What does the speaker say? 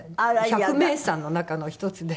百名山の中の１つで。